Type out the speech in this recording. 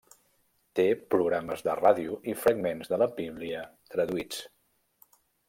Té programes de ràdio i fragments de la bíblia traduïts.